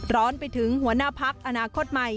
ร้อนไปถึงหัวหน้าพักอนาคตใหม่